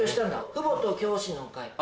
父母と教師の会